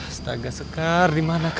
astaga sekar dimana kau